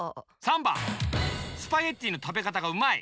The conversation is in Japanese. ３ばんスパゲッティのたべかたがうまい！